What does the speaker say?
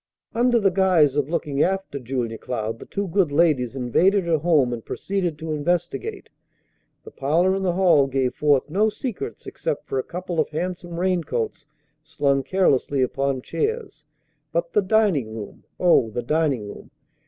Under the guise of looking after Julia Cloud the two good ladies invaded her home and proceeded to investigate. The parlor and the hall gave forth no secrets except for a couple of handsome raincoats slung carelessly upon chairs. But the dining room, oh, the dining room!